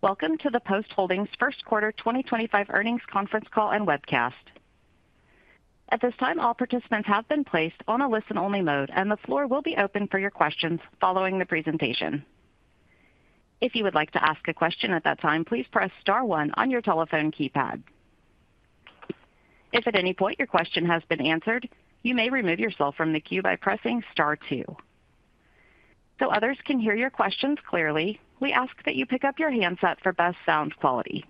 Welcome to the Post Holdings First Quarter 2025 Earnings Conference Call and Webcast. At this time, all participants have been placed on a listen-only mode, and the floor will be open for your questions following the presentation. If you would like to ask a question at that time, please press Star 1 on your telephone keypad. If at any point your question has been answered, you may remove yourself from the queue by pressing Star 2. So others can hear your questions clearly, we ask that you pick up your handset for best sound quality.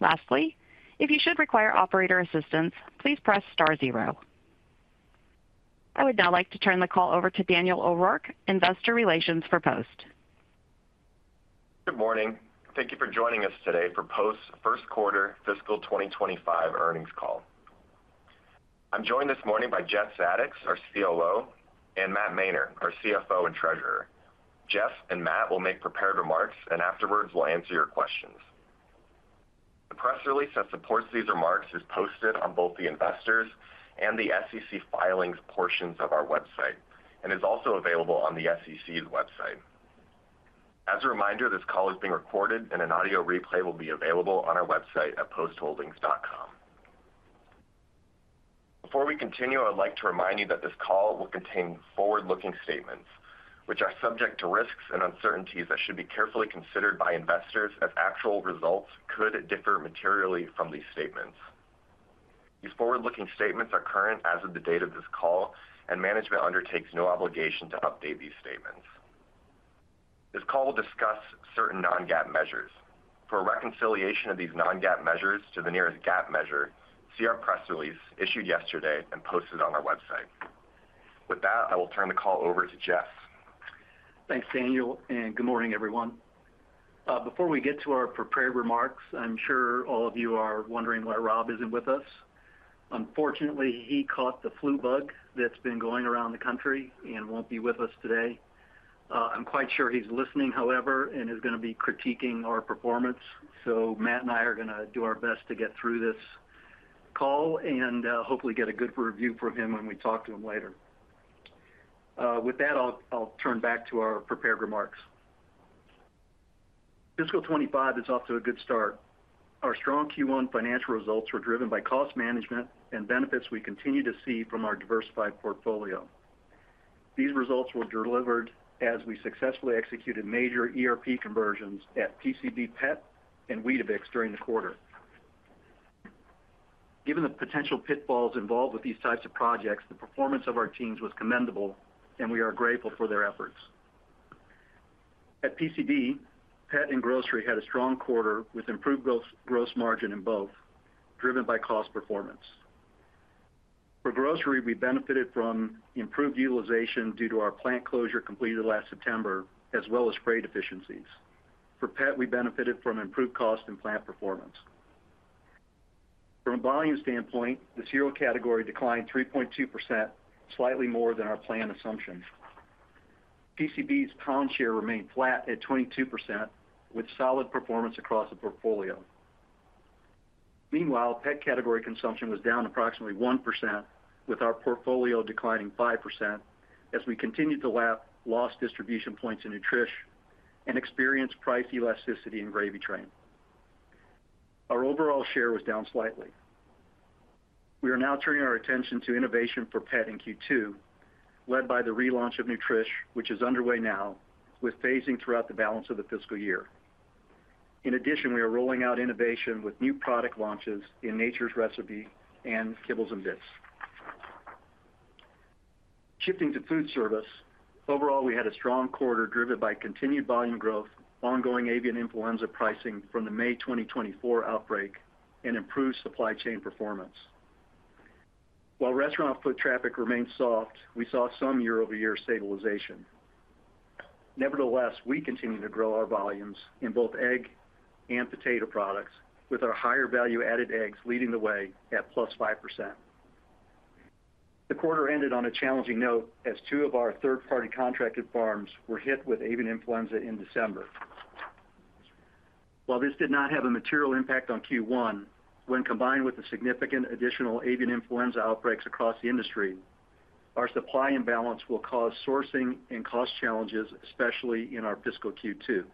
Lastly, if you should require operator assistance, please press Star 0. I would now like to turn the call over to Daniel O'Rourke, Investor Relations for Post. Good morning. Thank you for joining us today for Post's First Quarter Fiscal 2025 Earnings Call. I'm joined this morning by Jeff Zadoks, our COO, and Matt Mainer, our CFO and Treasurer. Jeff and Matt will make prepared remarks, and afterwards we'll answer your questions. The press release that supports these remarks is posted on both the investors' and the SEC filings portions of our website and is also available on the SEC's website. As a reminder, this call is being recorded, and an audio replay will be available on our website at postholdings.com. Before we continue, I would like to remind you that this call will contain forward-looking statements, which are subject to risks and uncertainties that should be carefully considered by investors, as actual results could differ materially from these statements. These forward-looking statements are current as of the date of this call, and management undertakes no obligation to update these statements. This call will discuss certain non-GAAP measures. For reconciliation of these non-GAAP measures to the nearest GAAP measure, see our press release issued yesterday and posted on our website. With that, I will turn the call over to Jeff. Thanks, Daniel, and good morning, everyone. Before we get to our prepared remarks, I'm sure all of you are wondering why Rob isn't with us. Unfortunately, he caught the flu bug that's been going around the country and won't be with us today. I'm quite sure he's listening, however, and is going to be critiquing our performance. So Matt and I are going to do our best to get through this call and hopefully get a good review from him when we talk to him later. With that, I'll turn back to our prepared remarks. Fiscal 25 is off to a good start. Our strong Q1 financial results were driven by cost management and benefits we continue to see from our diversified portfolio. These results were delivered as we successfully executed major ERP conversions at PCB, PET, and Weetabix during the quarter. Given the potential pitfalls involved with these types of projects, the performance of our teams was commendable, and we are grateful for their efforts. At PCB, PET and Grocery had a strong quarter with improved gross margin in both, driven by cost performance. For Grocery, we benefited from improved utilization due to our plant closure completed last September, as well as freight efficiencies. For PET, we benefited from improved cost and plant performance. From a volume standpoint, the cereal category declined 3.2%, slightly more than our planned assumption. PCB's pound share remained flat at 22%, with solid performance across the portfolio. Meanwhile, PET category consumption was down approximately 1%, with our portfolio declining 5% as we continued to lap loss distribution points in Nutrish and experienced price elasticity in Gravy Train. Our overall share was down slightly. We are now turning our attention to innovation for PET in Q2, led by the relaunch of Nutrish, which is underway now, with phasing throughout the balance of the fiscal year. In addition, we are rolling out innovation with new product launches in Nature's Recipe and Kibbles 'n Bits. Shifting to food service, overall, we had a strong quarter driven by continued volume growth, ongoing avian influenza pricing from the May 2024 outbreak, and improved supply chain performance. While restaurant foot traffic remained soft, we saw some year-over-year stabilization. Nevertheless, we continue to grow our volumes in both egg and potato products, with our higher value-added eggs leading the way at 5%. The quarter ended on a challenging note as two of our third-party contracted farms were hit with avian influenza in December. While this did not have a material impact on Q1, when combined with the significant additional avian influenza outbreaks across the industry, our supply imbalance will cause sourcing and cost challenges, especially in our fiscal Q2.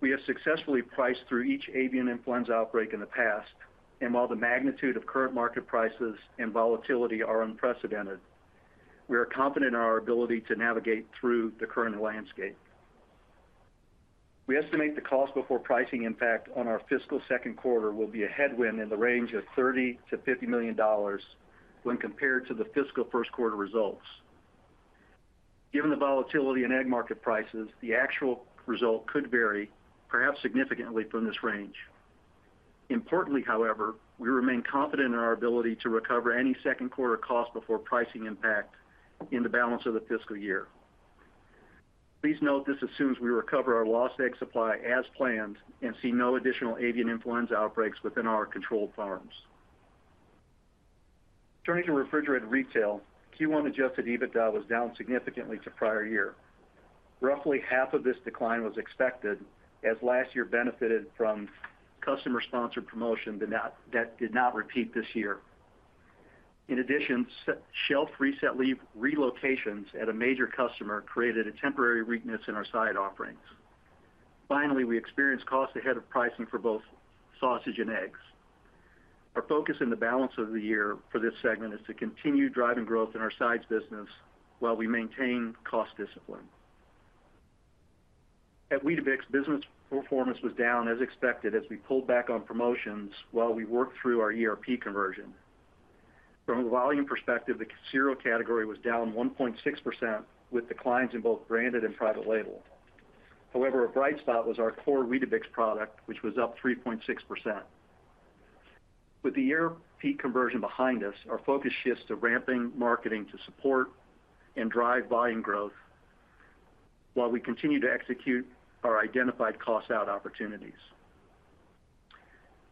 We have successfully priced through each avian influenza outbreak in the past, and while the magnitude of current market prices and volatility are unprecedented, we are confident in our ability to navigate through the current landscape. We estimate the cost before pricing impact on our fiscal second quarter will be a headwind in the range of $30-$50 million when compared to the fiscal first quarter results. Given the volatility in egg market prices, the actual result could vary, perhaps significantly, from this range. Importantly, however, we remain confident in our ability to recover any second quarter cost before pricing impact in the balance of the fiscal year. Please note this assumes we recover our lost egg supply as planned and see no additional avian influenza outbreaks within our controlled farms. Turning to refrigerated retail, Q1 adjusted EBITDA was down significantly to prior year. Roughly half of this decline was expected, as last year benefited from customer-sponsored promotion that did not repeat this year. In addition, shelf reset relocations at a major customer created a temporary weakness in our side offerings. Finally, we experienced cost ahead of pricing for both sausage and eggs. Our focus in the balance of the year for this segment is to continue driving growth in our sides business while we maintain cost discipline. At Weetabix, business performance was down as expected as we pulled back on promotions while we worked through our ERP conversion. From a volume perspective, the cereal category was down 1.6% with declines in both branded and private label. However, a bright spot was our core Weetabix product, which was up 3.6%. With the ERP conversion behind us, our focus shifts to ramping marketing to support and drive volume growth while we continue to execute our identified cost-out opportunities.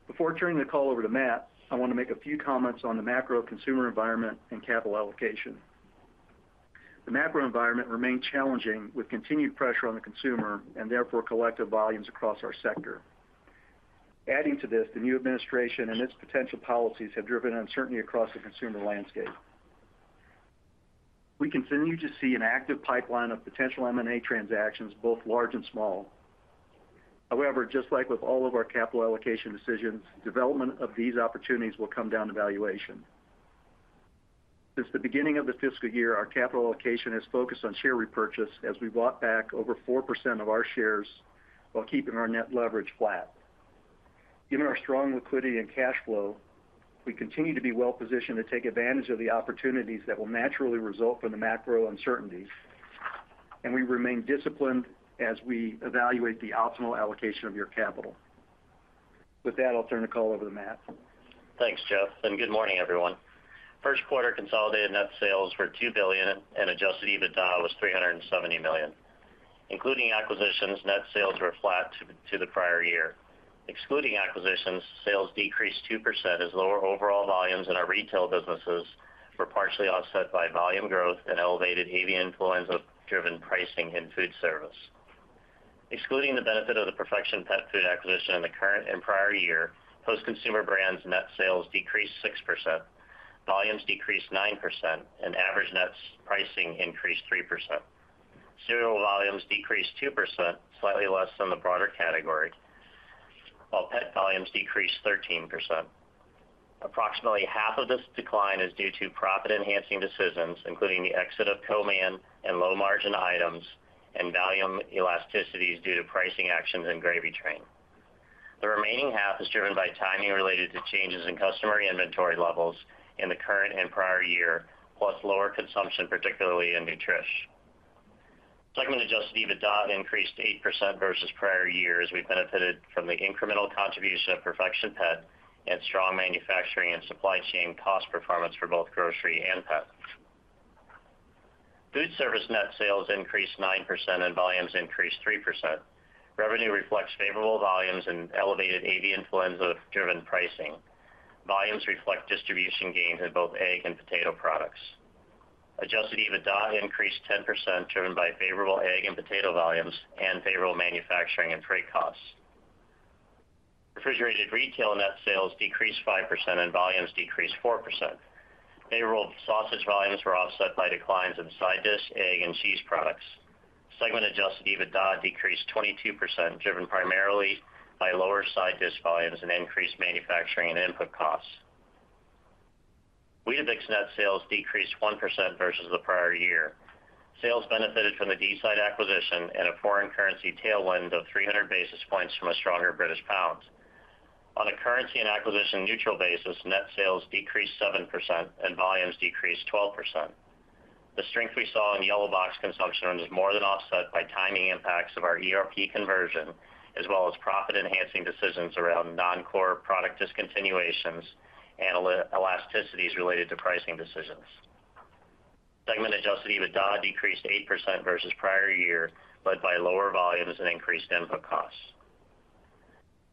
Before turning the call over to Matt, I want to make a few comments on the macro consumer environment and capital allocation. The macro environment remained challenging with continued pressure on the consumer and therefore collective volumes across our sector. Adding to this, the new administration and its potential policies have driven uncertainty across the consumer landscape. We continue to see an active pipeline of potential M&A transactions, both large and small. However, just like with all of our capital allocation decisions, development of these opportunities will come down to valuation. Since the beginning of the fiscal year, our capital allocation has focused on share repurchase as we bought back over 4% of our shares while keeping our net leverage flat. Given our strong liquidity and cash flow, we continue to be well-positioned to take advantage of the opportunities that will naturally result from the macro uncertainties, and we remain disciplined as we evaluate the optimal allocation of your capital. With that, I'll turn the call over to Matt. Thanks, Jeff, and good morning, everyone. First quarter consolidated net sales were $2 billion, and adjusted EBITDA was $370 million. Including acquisitions, net sales were flat to the prior year. Excluding acquisitions, sales decreased 2% as lower overall volumes in our retail businesses were partially offset by volume growth and elevated avian influenza-driven pricing in foodservice. Excluding the benefit of the Perfection Pet Food acquisition in the current and prior year, Post Consumer Brands' net sales decreased 6%, volumes decreased 9%, and average net pricing increased 3%. Cereal volumes decreased 2%, slightly less than the broader category, while pet volumes decreased 13%. Approximately half of this decline is due to profit-enhancing decisions, including the exit of co-man and low-margin items and volume elasticities due to pricing actions in Gravy Train. The remaining half is driven by timing related to changes in customer inventory levels in the current and prior year, plus lower consumption, particularly in Nutrish. Segment adjusted EBITDA increased 8% versus prior year as we benefited from the incremental contribution of Perfection Pet and strong manufacturing and supply chain cost performance for both grocery and pet. Food service net sales increased 9% and volumes increased 3%. Revenue reflects favorable volumes and elevated avian influenza-driven pricing. Volumes reflect distribution gains in both egg and potato products. Adjusted EBITDA increased 10%, driven by favorable egg and potato volumes and favorable manufacturing and freight costs. Refrigerated retail net sales decreased 5% and volumes decreased 4%. Favorable sausage volumes were offset by declines in side dish, egg, and cheese products. Segment adjusted EBITDA decreased 22%, driven primarily by lower side dish volumes and increased manufacturing and input costs. Weetabix net sales decreased 1% versus the prior year. Sales benefited from the Deeside acquisition and a foreign currency tailwind of 300 basis points from a stronger British pound. On a currency and acquisition neutral basis, net sales decreased 7% and volumes decreased 12%. The strength we saw in yellow box consumption was more than offset by timing impacts of our ERP conversion, as well as profit-enhancing decisions around non-core product discontinuations and elasticities related to pricing decisions. Segment adjusted EBITDA decreased 8% versus prior year, led by lower volumes and increased input costs.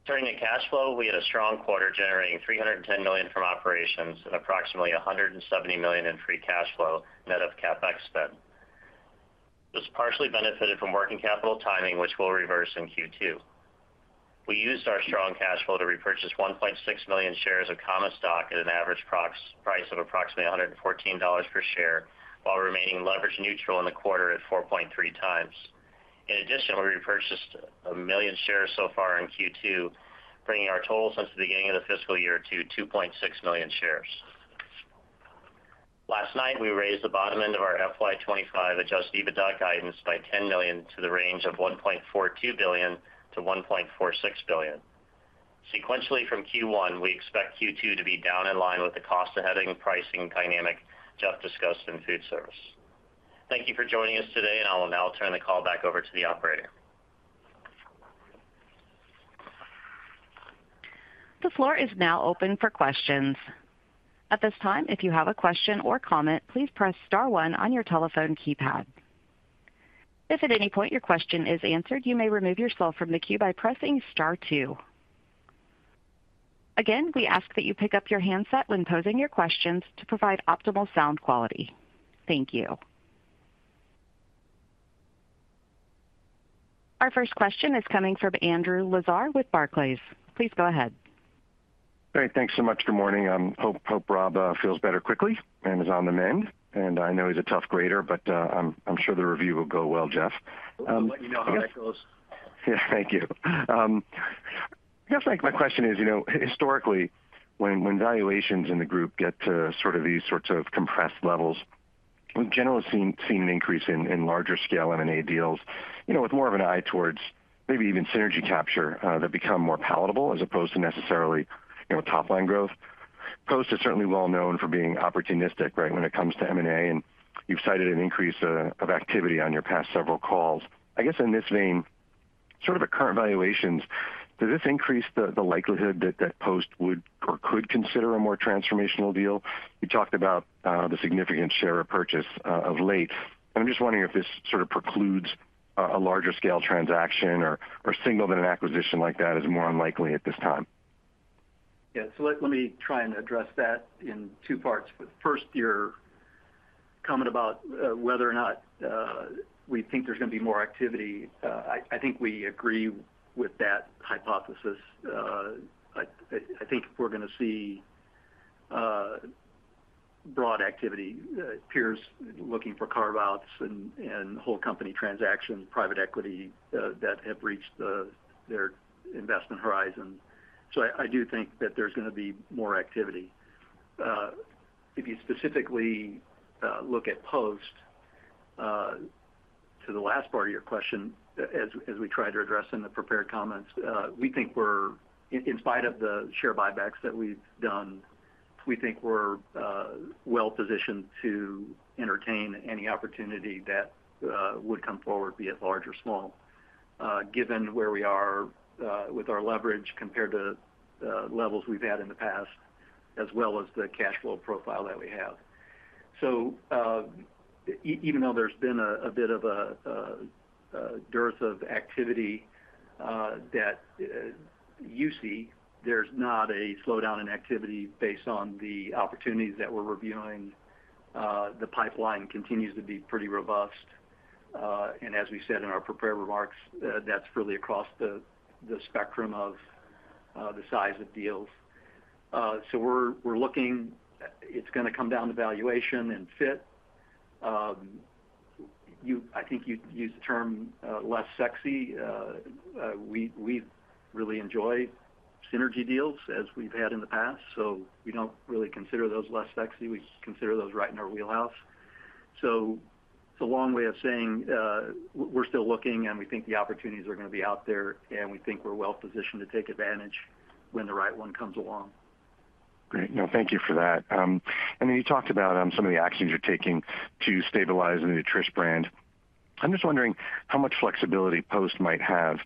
Turning to cash flow, we had a strong quarter generating $310 million from operations and approximately $170 million in free cash flow net of CapEx spent. This partially benefited from working capital timing, which we'll reverse in Q2. We used our strong cash flow to repurchase 1.6 million shares of common stock at an average price of approximately $114 per share, while remaining leverage neutral in the quarter at 4.3 times. In addition, we repurchased a million shares so far in Q2, bringing our totals since the beginning of the fiscal year to 2.6 million shares. Last night, we raised the bottom end of our FY25 adjusted EBITDA guidance by $10 million to the range of $1.42 billion-$1.46 billion. Sequentially from Q1, we expect Q2 to be down in line with the cost-of-hedging pricing dynamic Jeff discussed in food service. Thank you for joining us today, and I will now turn the call back over to the operator. The floor is now open for questions. At this time, if you have a question or comment, please press Star 1 on your telephone keypad. If at any point your question is answered, you may remove yourself from the queue by pressing Star 2. Again, we ask that you pick up your handset when posing your questions to provide optimal sound quality. Thank you. Our first question is coming from Andrew Lazar with Barclays. Please go ahead. All right. Thanks so much. Good morning. I hope Rob feels better quickly and is on the mend. And I know he's a tough grader, but I'm sure the review will go well, Jeff. I'll let you know how that goes. Yeah. Thank you. Jeff, my question is, historically, when valuations in the group get to sort of these sorts of compressed levels, we've generally seen an increase in larger scale M&A deals with more of an eye towards maybe even synergy capture that become more palatable as opposed to necessarily top-line growth. Post is certainly well known for being opportunistic when it comes to M&A, and you've cited an increase of activity on your past several calls. I guess in this vein, sort of at current valuations, does this increase the likelihood that Post would or could consider a more transformational deal? You talked about the significant share repurchase of late. I'm just wondering if this sort of precludes a larger scale transaction or signal that an acquisition like that is more unlikely at this time. Yeah. So let me try and address that in two parts. First, your comment about whether or not we think there's going to be more activity. I think we agree with that hypothesis. I think we're going to see broad activity. Peers looking for carve-outs and whole company transactions, private equity that have reached their investment horizon. So I do think that there's going to be more activity. If you specifically look at Post, to the last part of your question, as we tried to address in the prepared comments, we think we're, in spite of the share buybacks that we've done, we think we're well positioned to entertain any opportunity that would come forward, be it large or small, given where we are with our leverage compared to levels we've had in the past, as well as the cash flow profile that we have. So even though there's been a bit of a dearth of activity that you see, there's not a slowdown in activity based on the opportunities that we're reviewing. The pipeline continues to be pretty robust. And as we said in our prepared remarks, that's really across the spectrum of the size of deals. So we're looking at it's going to come down to valuation and fit. I think you used the term less sexy. We really enjoy synergy deals as we've had in the past. So we don't really consider those less sexy. We consider those right in our wheelhouse. So it's a long way of saying we're still looking, and we think the opportunities are going to be out there, and we think we're well positioned to take advantage when the right one comes along. Great. No, thank you for that. And then you talked about some of the actions you're taking to stabilize the Nutrish brand. I'm just wondering how much flexibility Post might have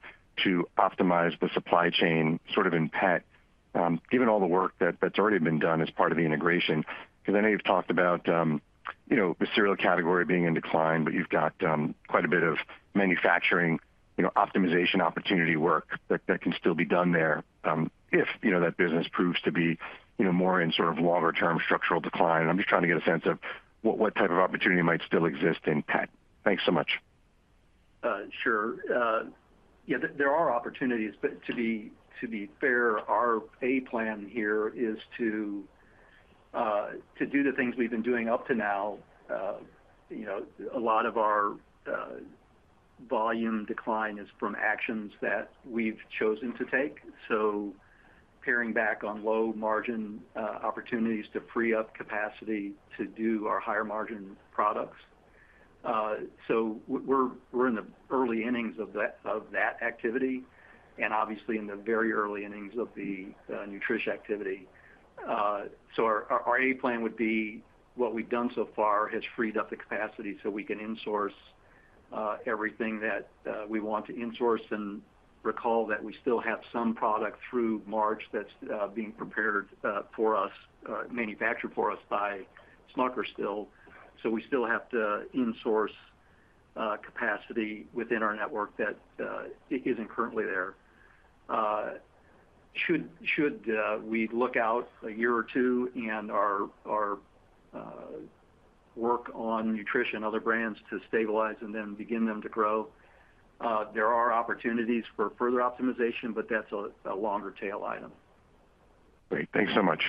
to optimize the supply chain sort of in pet, given all the work that's already been done as part of the integration. Because I know you've talked about the cereal category being in decline, but you've got quite a bit of manufacturing optimization opportunity work that can still be done there if that business proves to be more in sort of longer-term structural decline. I'm just trying to get a sense of what type of opportunity might still exist in pet. Thanks so much. Sure. Yeah, there are opportunities. But to be fair, our A plan here is to do the things we've been doing up to now. A lot of our volume decline is from actions that we've chosen to take. So paring back on low-margin opportunities to free up capacity to do our higher-margin products. So we're in the early innings of that activity and obviously in the very early innings of the Nutrish activity. So our A plan would be what we've done so far has freed up the capacity so we can insource everything that we want to insource. And recall that we still have some product through March that's being prepared for us, manufactured for us by Smucker's. So we still have to insource capacity within our network that isn't currently there. Should we look out a year or two and our work on Nutrish and other brands to stabilize and then begin them to grow, there are opportunities for further optimization, but that's a longer tail item. Great. Thanks so much.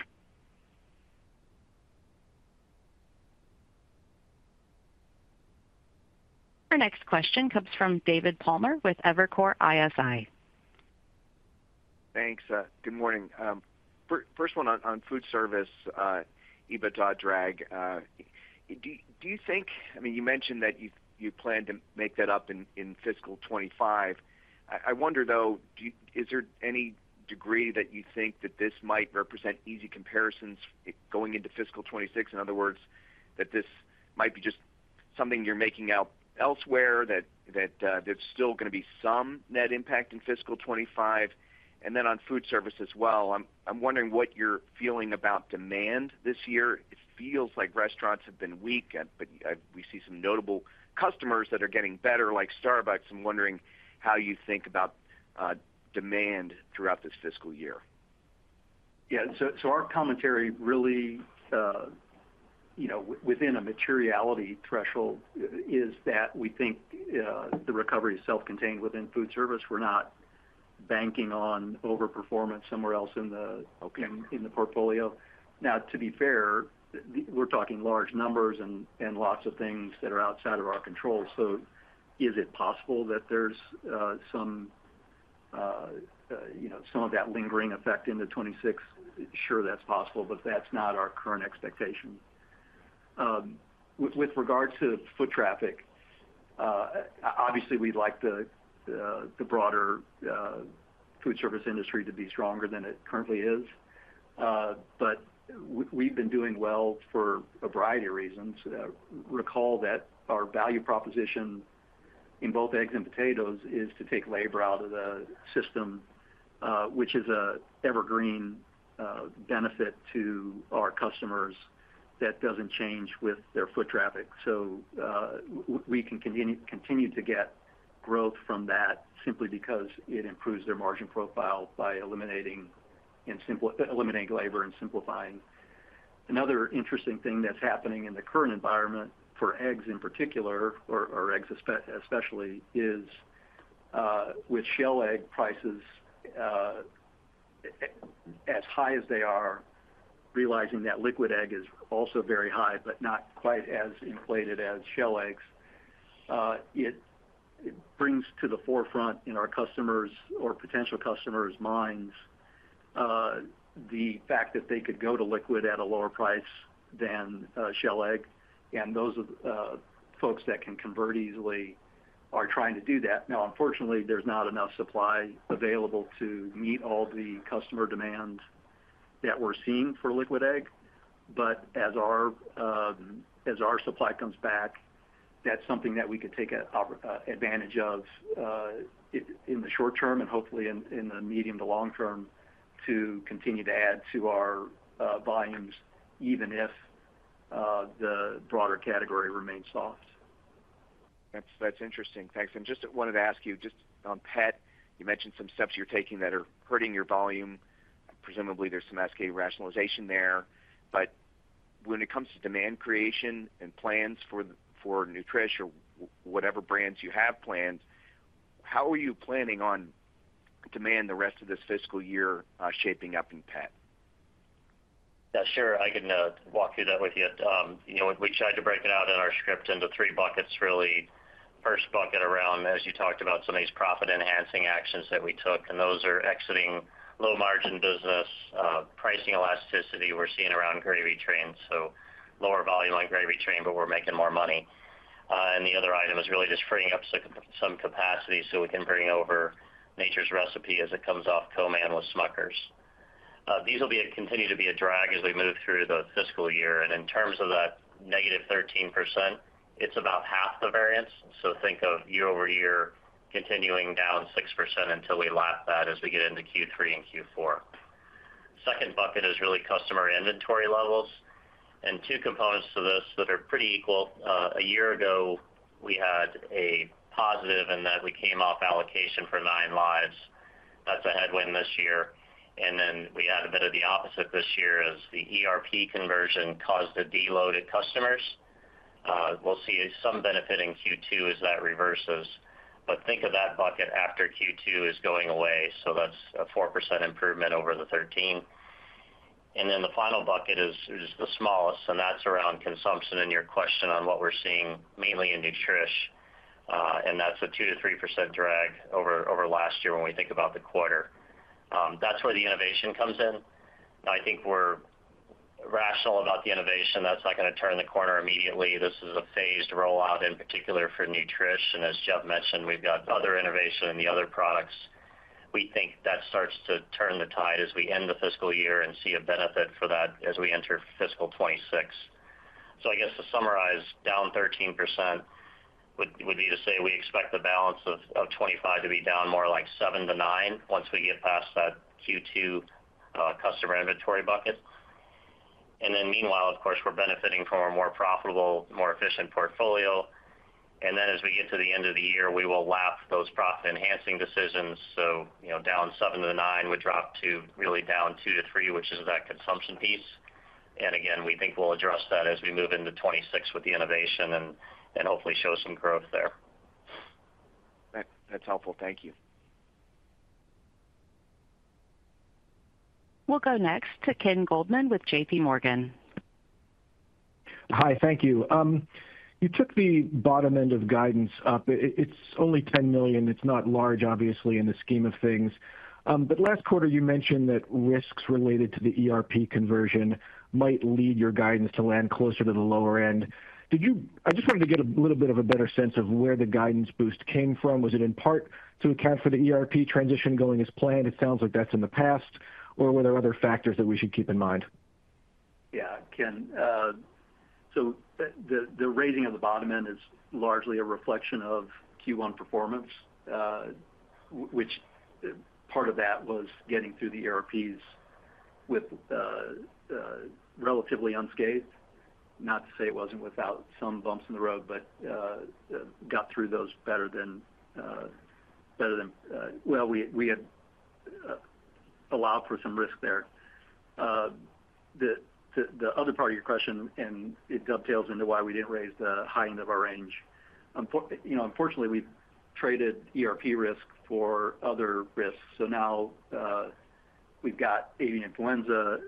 Our next question comes from David Palmer with Evercore ISI. Thanks. Good morning. First one on food service EBITDA drag. Do you think, I mean, you mentioned that you plan to make that up in fiscal 2025. I wonder, though, is there any degree that you think that this might represent easy comparisons going into fiscal 2026? In other words, that this might be just something you're making up elsewhere, that there's still going to be some net impact in fiscal 2025. And then on food service as well, I'm wondering what you're feeling about demand this year. It feels like restaurants have been weak, but we see some notable customers that are getting better, like Starbucks. I'm wondering how you think about demand throughout this fiscal year. Yeah. So our commentary really within a materiality threshold is that we think the recovery is self-contained within food service. We're not banking on overperformance somewhere else in the portfolio. Now, to be fair, we're talking large numbers and lots of things that are outside of our control. So is it possible that there's some of that lingering effect into 2026? Sure, that's possible, but that's not our current expectation. With regard to foot traffic, obviously, we'd like the broader food service industry to be stronger than it currently is. But we've been doing well for a variety of reasons. Recall that our value proposition in both eggs and potatoes is to take labor out of the system, which is an evergreen benefit to our customers that doesn't change with their foot traffic. So we can continue to get growth from that simply because it improves their margin profile by eliminating labor and simplifying. Another interesting thing that's happening in the current environment for eggs in particular, or eggs especially, is with shell egg prices as high as they are. Realizing that liquid egg is also very high, but not quite as inflated as shell eggs. It brings to the forefront in our customers' or potential customers' minds the fact that they could go to liquid at a lower price than shell egg. And those folks that can convert easily are trying to do that. Now, unfortunately, there's not enough supply available to meet all the customer demand that we're seeing for liquid egg. As our supply comes back, that's something that we could take advantage of in the short term and hopefully in the medium to long term to continue to add to our volumes, even if the broader category remains soft. That's interesting. Thanks. And just wanted to ask you, just on pet, you mentioned some steps you're taking that are hurting your volume. Presumably, there's some SK rationalization there. But when it comes to demand creation and plans for Nutrish or whatever brands you have planned, how are you planning on demand the rest of this fiscal year shaping up in pet? Yeah. Sure. I can walk you through that with you. We tried to break it out in our script into three buckets, really. First bucket, around, as you talked about, some of these profit-enhancing actions that we took, and those are exiting low-margin business, pricing elasticity we're seeing around Gravy Train, so lower volume on Gravy Train, but we're making more money, and the other item is really just freeing up some capacity so we can bring over Nature's Recipe as it comes off co-man with Smucker's. These will continue to be a drag as we move through the fiscal year, and in terms of that negative 13%, it's about half the variance, so think of year over year continuing down 6% until we lap that as we get into Q3 and Q4. Second bucket is really customer inventory levels, and two components to this that are pretty equal. A year ago, we had a positive in that we came off allocation for 9Lives. That's a headwind this year. And then we had a bit of the opposite this year as the ERP conversion caused a deload at customers. We'll see some benefit in Q2 as that reverses. But think of that bucket after Q2 is going away. So that's a 4% improvement over the 2013. And then the final bucket is the smallest, and that's around consumption and your question on what we're seeing mainly in Nutrish. And that's a 2%-3% drag over last year when we think about the quarter. That's where the innovation comes in. I think we're rational about the innovation. That's not going to turn the corner immediately. This is a phased rollout, in particular for Nutrish. And as Jeff mentioned, we've got other innovation in the other products. We think that starts to turn the tide as we end the fiscal year and see a benefit for that as we enter fiscal 2026, so I guess to summarize, down 13% would be to say we expect the balance of 2025 to be down more like 7%-9% once we get past that Q2 customer inventory bucket, and then meanwhile, of course, we're benefiting from a more profitable, more efficient portfolio, and then as we get to the end of the year, we will lap those profit-enhancing decisions, so down 7%-9%, we drop to really down 2%-3%, which is that consumption piece, and again, we think we'll address that as we move into 2026 with the innovation and hopefully show some growth there. That's helpful. Thank you. We'll go next to Ken Goldman with J.P. Morgan. Hi. Thank you. You took the bottom end of guidance up. It's only $10 million. It's not large, obviously, in the scheme of things. But last quarter, you mentioned that risks related to the ERP conversion might lead your guidance to land closer to the lower end. I just wanted to get a little bit of a better sense of where the guidance boost came from. Was it in part to account for the ERP transition going as planned? It sounds like that's in the past. Or were there other factors that we should keep in mind? Yeah, Ken. So the raising of the bottom end is largely a reflection of Q1 performance, which part of that was getting through the ERPs with relatively unscathed. Not to say it wasn't without some bumps in the road, but got through those better than well, we had allowed for some risk there. The other part of your question, and it dovetails into why we didn't raise the high end of our range. Unfortunately, we've traded ERP risk for other risks. So now we've got avian influenza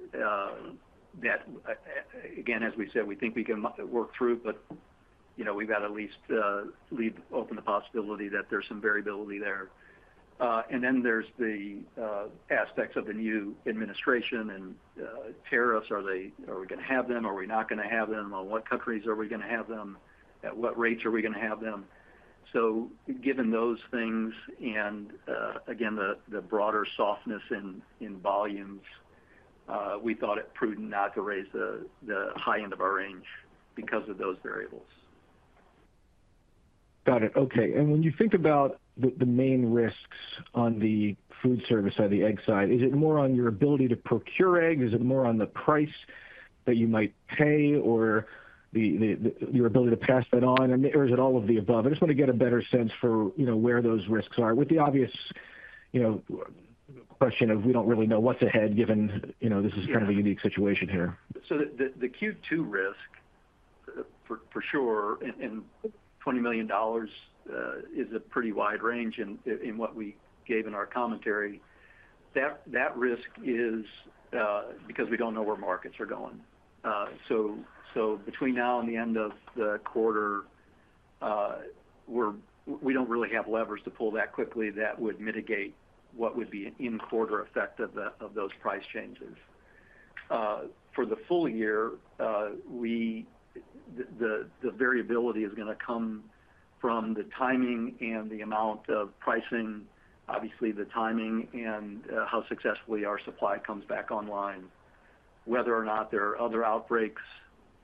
that, again, as we said, we think we can work through, but we've got to at least leave open the possibility that there's some variability there. And then there's the aspects of the new administration and tariffs. Are we going to have them? Are we not going to have them? On what countries are we going to have them? At what rates are we going to have them? So given those things and, again, the broader softness in volumes, we thought it prudent not to raise the high end of our range because of those variables. Got it. Okay. And when you think about the main risks on the foodservice side of the egg side, is it more on your ability to procure eggs? Is it more on the price that you might pay or your ability to pass that on? Or is it all of the above? I just want to get a better sense for where those risks are with the obvious question of we don't really know what's ahead given this is kind of a unique situation here. So the Q2 risk, for sure, and $20 million is a pretty wide range in what we gave in our commentary. That risk is because we don't know where markets are going. So between now and the end of the quarter, we don't really have levers to pull that quickly that would mitigate what would be an in-quarter effect of those price changes. For the full year, the variability is going to come from the timing and the amount of pricing, obviously the timing and how successfully our supply comes back online, whether or not there are other outbreaks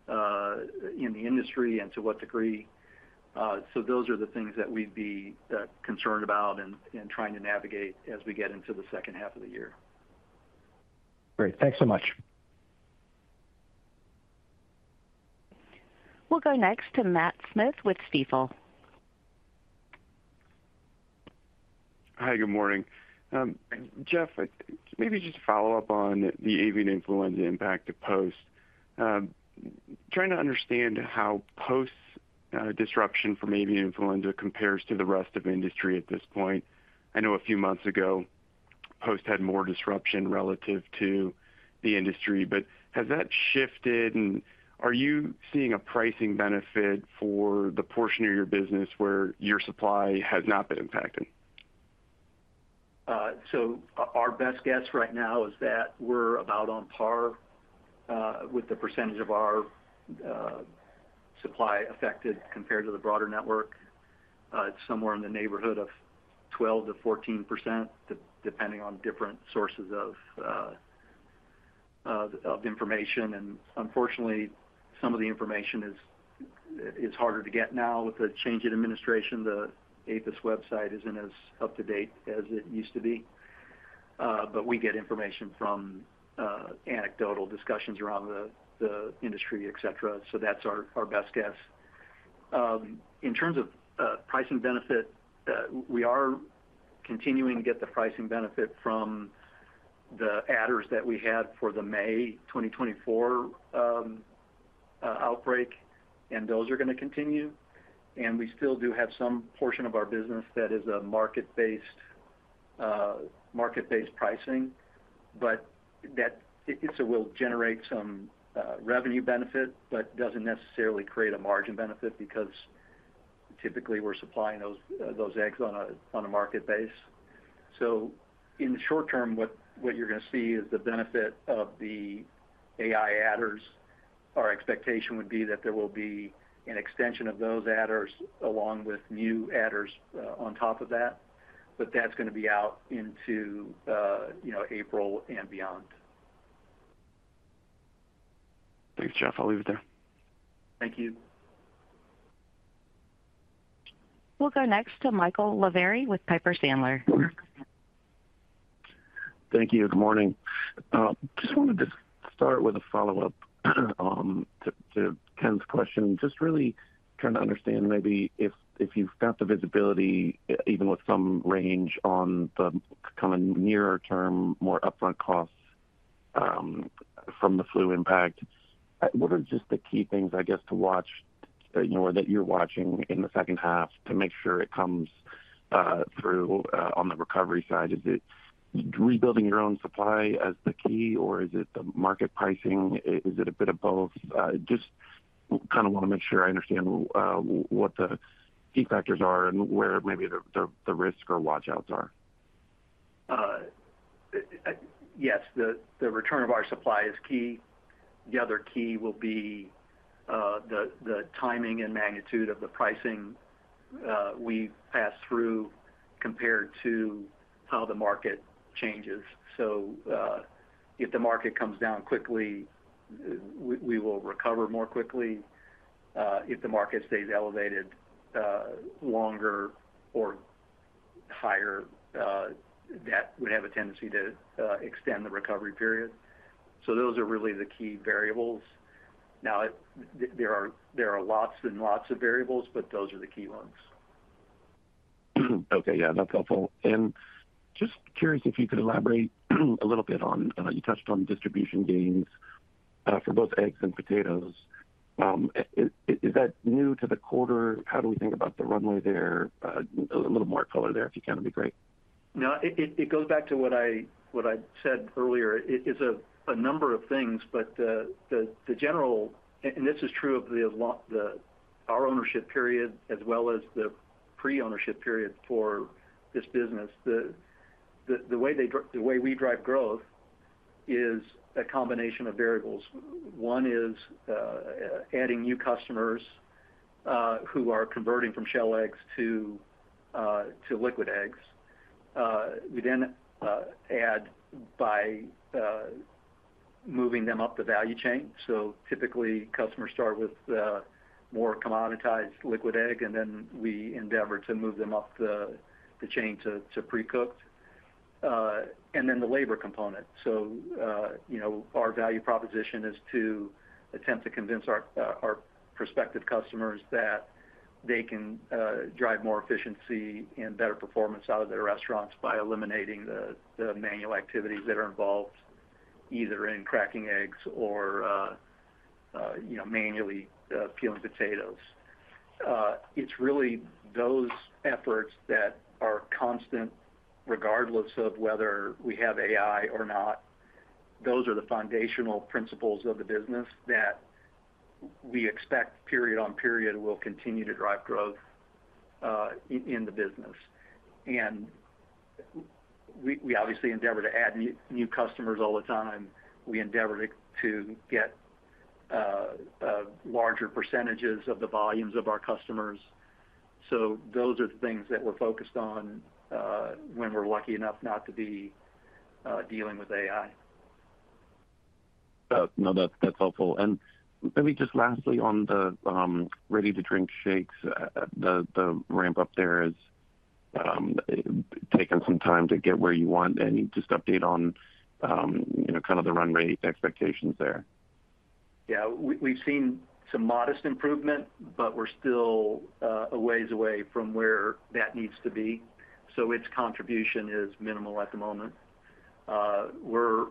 in the industry and to what degree. So those are the things that we'd be concerned about and trying to navigate as we get into the second half of the year. Great. Thanks so much. We'll go next to Matt Smith with Stifel. Hi, good morning. Jeff, maybe just a follow-up on the avian influenza impact of Post. Trying to understand how Post's disruption from avian influenza compares to the rest of industry at this point. I know a few months ago, Post had more disruption relative to the industry. But has that shifted? And are you seeing a pricing benefit for the portion of your business where your supply has not been impacted? Our best guess right now is that we're about on par with the percentage of our supply affected compared to the broader network. It's somewhere in the neighborhood of 12%-14%, depending on different sources of information. And unfortunately, some of the information is harder to get now with the change in administration. The APHIS website isn't as up to date as it used to be. But we get information from anecdotal discussions around the industry, etc. So that's our best guess. In terms of pricing benefit, we are continuing to get the pricing benefit from the adders that we had for the May 2024 outbreak, and those are going to continue. And we still do have some portion of our business that is market-based pricing. But it will generate some revenue benefit, but doesn't necessarily create a margin benefit because typically we're supplying those eggs on a market basis. So in the short term, what you're going to see is the benefit of the AI adders. Our expectation would be that there will be an extension of those adders along with new adders on top of that. But that's going to be out into April and beyond. Thanks, Jeff. I'll leave it there. Thank you. We'll go next to Michael Lavery with Piper Sandler. Thank you. Good morning. Just wanted to start with a follow-up to Ken's question. Just really trying to understand maybe if you've got the visibility, even with some range on the kind of nearer term, more upfront costs from the flu impact. What are just the key things, I guess, to watch or that you're watching in the second half to make sure it comes through on the recovery side? Is it rebuilding your own supply as the key, or is it the market pricing? Is it a bit of both? Just kind of want to make sure I understand what the key factors are and where maybe the risk or watch-outs are. Yes. The return of our supply is key. The other key will be the timing and magnitude of the pricing we pass through compared to how the market changes. So if the market comes down quickly, we will recover more quickly. If the market stays elevated longer or higher, that would have a tendency to extend the recovery period. So those are really the key variables. Now, there are lots and lots of variables, but those are the key ones. Okay. Yeah. That's helpful. And just curious if you could elaborate a little bit on, you touched on distribution gains for both eggs and potatoes. Is that new to the quarter? How do we think about the runway there? A little more color there, if you can, would be great. No. It goes back to what I said earlier. It's a number of things, but the general, and this is true of our ownership period as well as the pre-ownership period for this business. The way we drive growth is a combination of variables. One is adding new customers who are converting from shell eggs to liquid eggs. We then add by moving them up the value chain. So typically, customers start with more commoditized liquid egg, and then we endeavor to move them up the chain to pre-cooked, and then the labor component. So our value proposition is to attempt to convince our prospective customers that they can drive more efficiency and better performance out of their restaurants by eliminating the manual activities that are involved either in cracking eggs or manually peeling potatoes. It's really those efforts that are constant, regardless of whether we have AI or not. Those are the foundational principles of the business that we expect, period on period, will continue to drive growth in the business. And we obviously endeavor to add new customers all the time. We endeavor to get larger percentages of the volumes of our customers. So those are the things that we're focused on when we're lucky enough not to be dealing with AI. No, that's helpful. And maybe just lastly on the ready-to-drink shakes, the ramp-up there is taking some time to get where you want. And you just update on kind of the runway expectations there. Yeah. We've seen some modest improvement, but we're still a ways away from where that needs to be. So its contribution is minimal at the moment. We're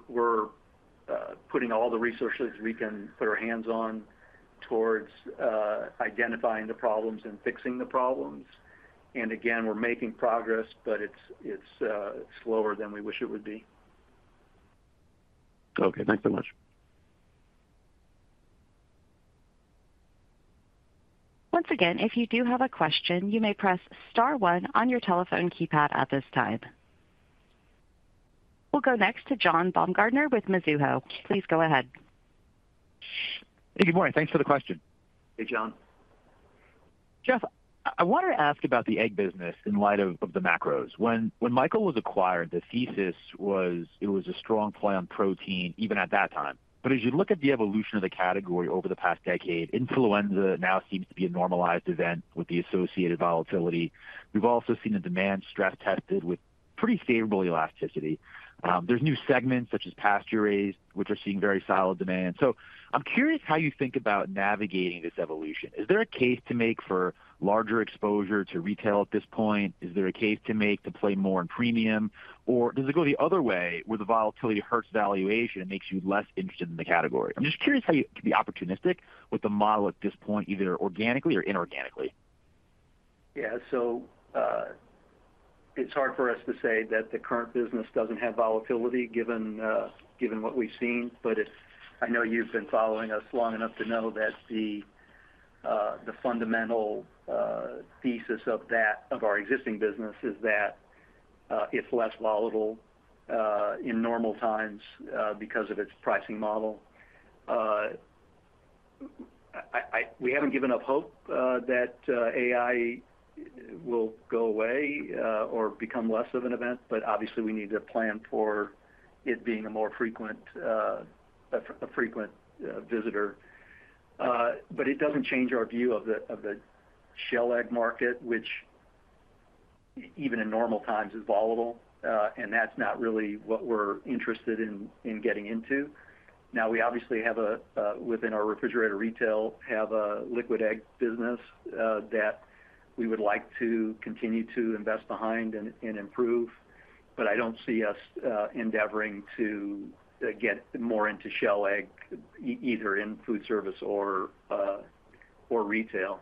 putting all the resources we can put our hands on towards identifying the problems and fixing the problems. And again, we're making progress, but it's slower than we wish it would be. Okay. Thanks so much. Once again, if you do have a question, you may press star one on your telephone keypad at this time. We'll go next to John Baumgartner with Mizuho. Please go ahead. Hey, good morning. Thanks for the question. Hey, John. Jeff, I want to ask about the egg business in light of the macros. When Michael was acquired, the thesis was it was a strong play on protein even at that time. But as you look at the evolution of the category over the past decade, influenza now seems to be a normalized event with the associated volatility. We've also seen the demand stress tested with pretty favorable elasticity. There's new segments such as pasture-raised, which are seeing very solid demand. So I'm curious how you think about navigating this evolution. Is there a case to make for larger exposure to retail at this point? Is there a case to make to play more in premium? Or does it go the other way where the volatility hurts valuation and makes you less interested in the category? I'm just curious how you can be opportunistic with the model at this point, either organically or inorganically? Yeah. So it's hard for us to say that the current business doesn't have volatility given what we've seen. But I know you've been following us long enough to know that the fundamental thesis of our existing business is that it's less volatile in normal times because of its pricing model. We haven't given up hope that AI will go away or become less of an event, but obviously, we need to plan for it being a more frequent visitor. But it doesn't change our view of the shell egg market, which even in normal times is volatile. And that's not really what we're interested in getting into. Now, we obviously have, within our refrigerated retail, a liquid egg business that we would like to continue to invest behind and improve. But I don't see us endeavoring to get more into shell egg either in foodservice or retail.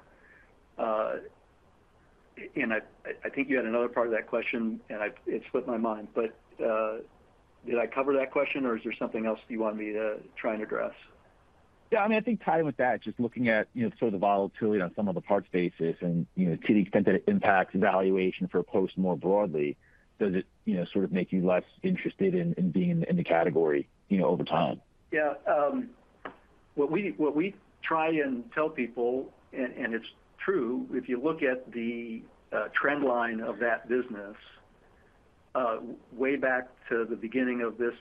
And I think you had another part of that question, and it slipped my mind. But did I cover that question, or is there something else you want me to try and address? Yeah. I mean, I think tied with that, just looking at sort of the volatility on some of the parts basis and to the extent that it impacts valuation for Post more broadly, does it sort of make you less interested in being in the category over time? Yeah. What we try and tell people, and it's true, if you look at the trend line of that business way back to the beginning of this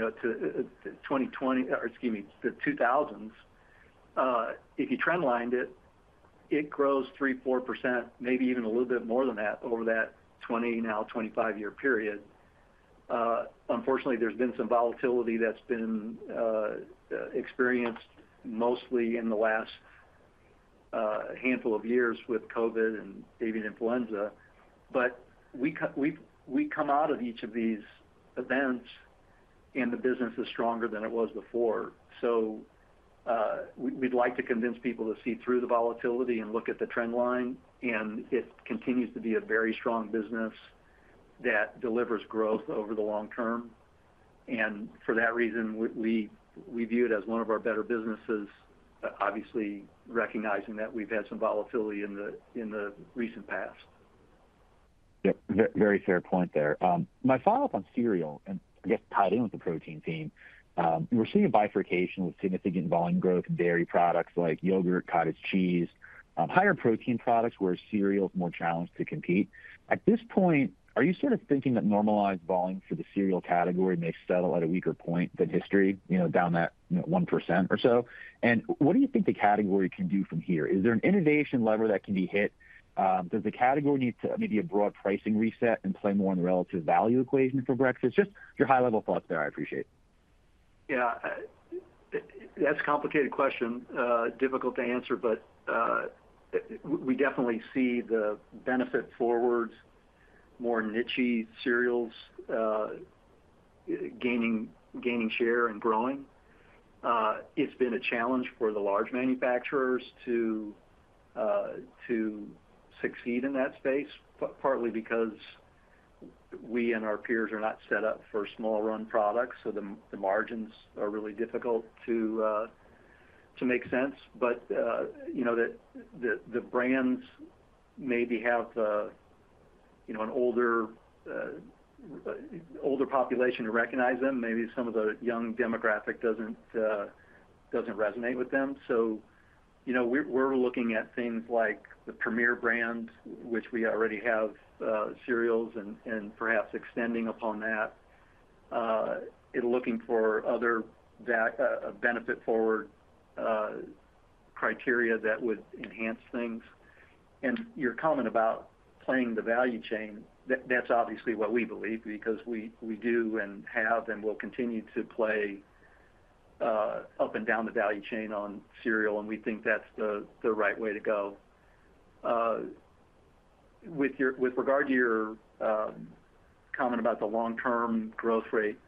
2020 or excuse me, the 2000s, if you trend lined it, it grows 3-4%, maybe even a little bit more than that over that 20, now 25-year period. Unfortunately, there's been some volatility that's been experienced mostly in the last handful of years with COVID and avian influenza, but we come out of each of these events, and the business is stronger than it was before, so we'd like to convince people to see through the volatility and look at the trend line, and it continues to be a very strong business that delivers growth over the long term. For that reason, we view it as one of our better businesses, obviously recognizing that we've had some volatility in the recent past. Yep. Very fair point there. My follow-up on cereal, and I guess tied in with the protein team, we're seeing a bifurcation with significant volume growth in dairy products like yogurt, cottage cheese, higher protein products where cereal is more challenged to compete. At this point, are you sort of thinking that normalized volume for the cereal category may settle at a weaker point than history down that 1% or so? And what do you think the category can do from here? Is there an innovation lever that can be hit? Does the category need to maybe a broad pricing reset and play more in the relative value equation for breakfast? Just your high-level thoughts there. I appreciate it. Yeah. That's a complicated question. Difficult to answer, but we definitely see the benefit-forward, more niche cereals gaining share and growing. It's been a challenge for the large manufacturers to succeed in that space, partly because we and our peers are not set up for small-run products. So the margins are really difficult to make sense. But the brands maybe have an older population who recognize them. Maybe some of the young demographic doesn't resonate with them. So we're looking at things like the Premier brand, which we already have cereals and perhaps extending upon that, and looking for other benefit-forward criteria that would enhance things. And your comment about playing the value chain, that's obviously what we believe because we do and have and will continue to play up and down the value chain on cereal, and we think that's the right way to go. With regard to your comment about the long-term growth rate,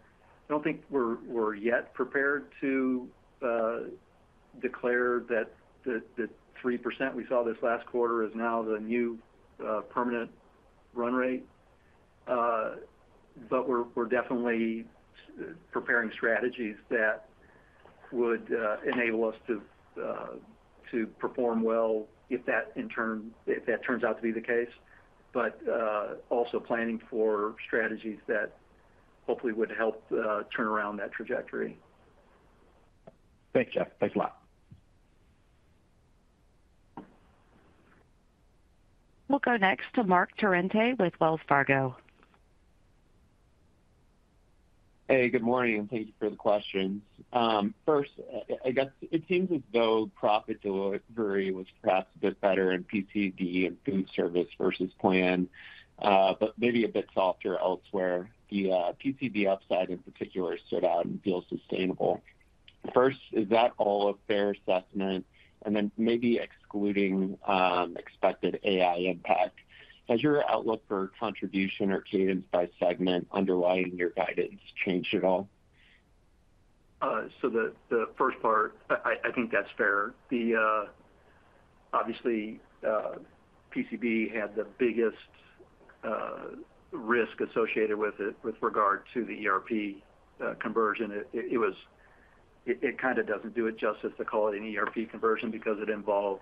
I don't think we're yet prepared to declare that the 3% we saw this last quarter is now the new permanent run rate. But we're definitely preparing strategies that would enable us to perform well if that in turn turns out to be the case, but also planning for strategies that hopefully would help turn around that trajectory. Thanks, Jeff. Thanks a lot. We'll go next to Marc Torrente with Wells Fargo. Hey, good morning and thank you for the questions. First, I guess it seems as though profit delivery was perhaps a bit better in PCB and food service versus plan, but maybe a bit softer elsewhere. The PCB upside in particular stood out and feels sustainable. First, is that all a fair assessment? And then maybe excluding expected AI impact, has your outlook for contribution or cadence by segment underlying your guidance changed at all? So the first part, I think that's fair. Obviously, PCB had the biggest risk associated with it with regard to the ERP conversion. It kind of doesn't do it justice to call it an ERP conversion because it involves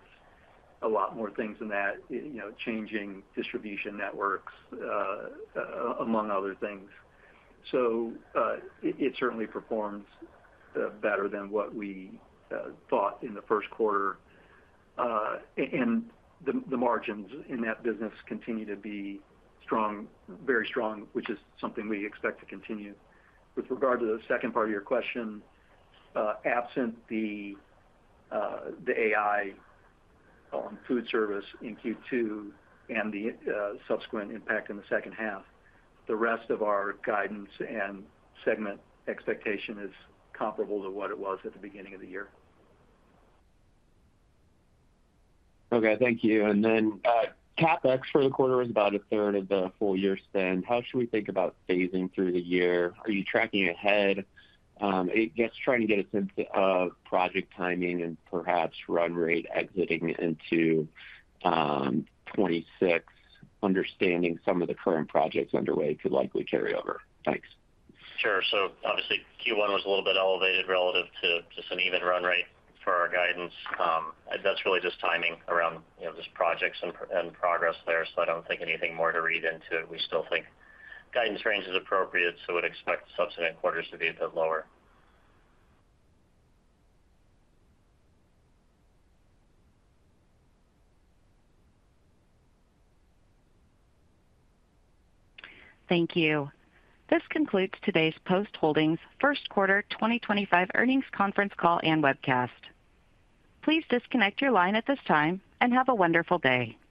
a lot more things than that, changing distribution networks, among other things. So it certainly performed better than what we thought in the first quarter. And the margins in that business continue to be very strong, which is something we expect to continue. With regard to the second part of your question, absent the AI on food service in Q2 and the subsequent impact in the second half, the rest of our guidance and segment expectation is comparable to what it was at the beginning of the year. Okay. Thank you. And then CapEx for the quarter is about a third of the full year spend. How should we think about phasing through the year? Are you tracking ahead? Just trying to get a sense of project timing and perhaps run rate exiting into 2026, understanding some of the current projects underway could likely carry over. Thanks. Sure. So obviously, Q1 was a little bit elevated relative to some even run rate for our guidance. That's really just timing around just projects and progress there. So I don't think anything more to read into it. We still think guidance range is appropriate, so we'd expect subsequent quarters to be a bit lower. Thank you. This concludes today's Post Holdings First Quarter 2025 earnings conference call and webcast. Please disconnect your line at this time and have a wonderful day.